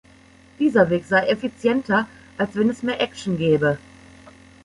Dieser Weg sei effizienter, als wenn es mehr Action gäbe.